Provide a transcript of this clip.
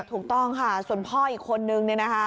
ถูกต้องค่ะส่วนพ่ออีกคนนึงเนี่ยนะคะ